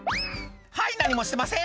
「はい何もしてません」